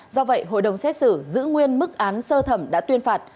do vậy hội đồng xét xử giữ nguyên mức án sơ thẩm đã tuyên phạt